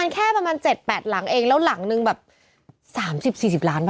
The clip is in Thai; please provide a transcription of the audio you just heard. แค่ประมาณ๗๘หลังเองแล้วหลังนึงแบบ๓๐๔๐ล้านป่